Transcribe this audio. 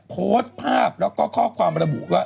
โพสต์ภาพแล้วก็ข้อความระบุว่า